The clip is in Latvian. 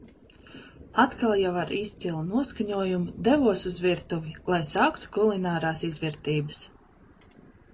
Atkal jau ar izcilu noskaņojumu devos uz virtuvi, lai sāktu kulinārās izvirtības.